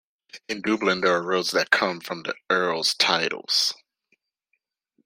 In Dublin there are roads that come from the Earl's titles.